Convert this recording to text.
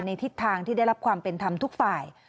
ทิศทางที่ได้รับความเป็นธรรมทุกฝ่าย